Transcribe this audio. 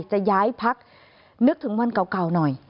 จะย้ายพักนึกถึงวันเก่าหน่อย